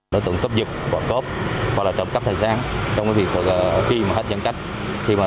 đối tượng cướp dựng bỏ cốp hoặc là trộm cắp tài sản trong cái việc khi mà hết nhân cách